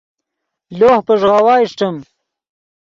لوہ پݱغاؤا اݰٹیم